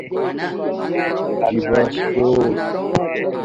جِباس کوٹ